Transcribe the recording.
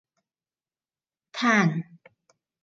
嘆⋯⋯